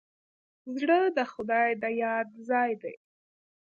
زړه د خدای د یاد ځای دی.